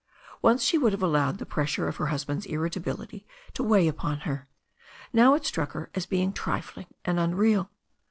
Once she would have allowed the pressure of her husband's irritability to weigh upon her. Now it struck her as being trifling and unreal.